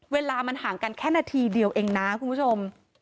เวลามันห่างกันแค่นาทีเดียวเองนะคุณผู้ชม